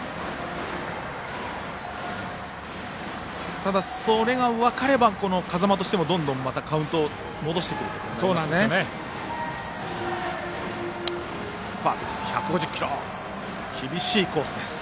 ただ、それが分かれば風間としてもどんどん、またカウントを戻してくることになりますね。